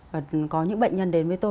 và có những bệnh nhân đến với tôi